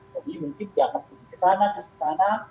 jadi mungkin dianggap ke sana ke sana